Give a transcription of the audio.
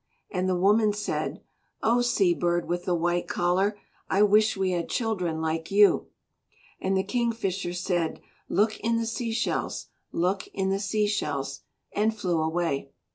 And the woman said, "Oh, sea bird with the white collar, I wish we had children like you." And the Kingfisher said, "Look in the sea shells; look in the sea shells," and flew away.